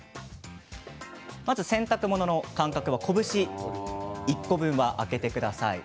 まずは洗濯物の間隔は拳１個分を空けてください。